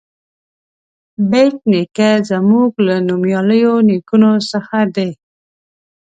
بېټ نیکه زموږ له نومیالیو نیکونو څخه دی.